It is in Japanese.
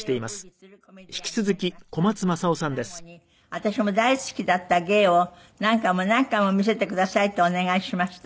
最後に私も大好きだった芸を何回も何回も見せてくださいとお願いしました。